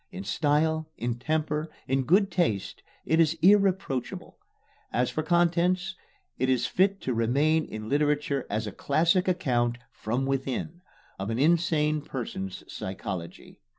In style, in temper, in good taste, it is irreproachable. As for contents, it is fit to remain in literature as a classic account "from within" of an insane person's psychology.